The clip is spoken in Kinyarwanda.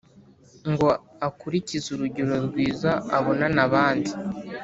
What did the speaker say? ngo akurikize urugero rwiza abonana abandi;